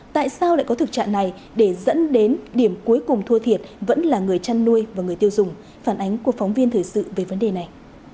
tại sao lại có thực trạng này để dẫn đến điểm cuối cùng thua thiệt vẫn là người chăn nuôi và người tiêu dùng phản ánh của phóng viên thời sự về vấn đề này